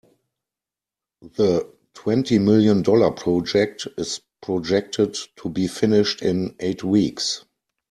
The twenty million dollar project is projected to be finished in eight weeks.